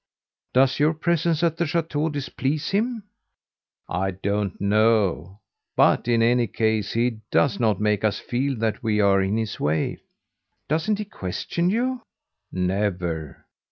"Does your presence at the chateau displease him?" "I don't know; but, in any case, he does not make us feel that we are in his way." "Doesn't he question you?" "Never.